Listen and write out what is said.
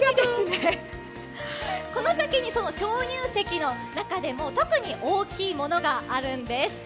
この先に鍾乳石の中でも特に大きいものがあるんです。